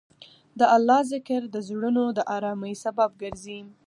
د الله ذکر د زړونو د ارامۍ سبب ګرځي.